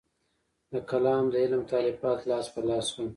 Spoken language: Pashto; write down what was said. د کلام د علم تالیفات لاس په لاس شول.